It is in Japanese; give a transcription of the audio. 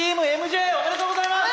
ＴｅａｍＭＪおめでとうございます！